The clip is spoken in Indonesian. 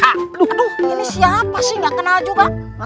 aduh ini siapa sih gak kenal juga